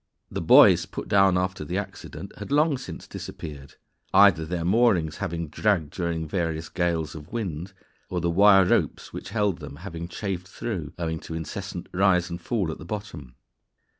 The buoys put down after the accident had long since disappeared, either their moorings having dragged during various gales of wind, or the wire ropes which held them having chafed through, owing to incessant rise and fall at the bottom.